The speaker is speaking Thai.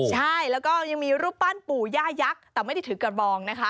ใช่แล้วก็ยังมีรูปปั้นปู่ย่ายักษ์แต่ไม่ได้ถือกระบองนะคะ